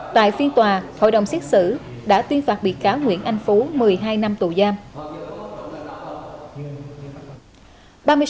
tại phiên tòa hội đồng xét xử đã tuyên phạt bị cáo nguyễn anh phú một mươi hai năm tù giam